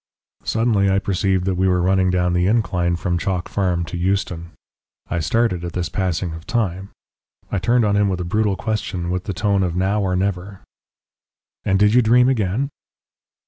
Suddenly I perceived that we were running down the incline from Chalk Farm to Euston. I started at this passing of time. I turned on him with a brutal question, with the tone of Now or never. "And did you dream again?"